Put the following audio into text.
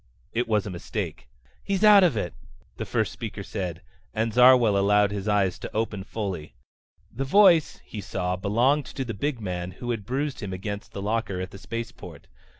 It was a mistake. "He's out of it," the first speaker said, and Zarwell allowed his eyes to open fully. The voice, he saw, belonged to the big man who had bruised him against the locker at the spaceport.